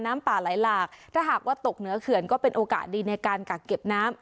น้ำป่าไหลหลากถ้าหากว่าตกเหนือเขื่อนก็เป็นโอกาสดีในการกักเก็บน้ำ